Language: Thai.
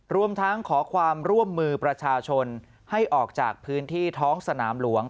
รวมทั้งขอความร่วมมือประชาชนให้ออกจากพื้นที่ท้องสนามหลวง